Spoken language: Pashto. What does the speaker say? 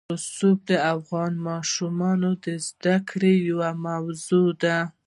رسوب د افغان ماشومانو د زده کړې یوه موضوع ده.